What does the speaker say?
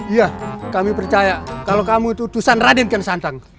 iya kami percaya kalau kamu itu utusan raden kiyosantang